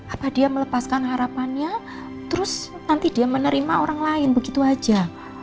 apa dia melepaskan harapannya terus nanti dia menerima orang lain begitu saja